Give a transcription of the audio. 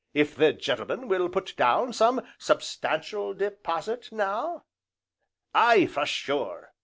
If the gentleman will put down some substantial deposit now " "Aye, for sure!"